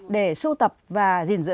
để sưu tập và dình dựa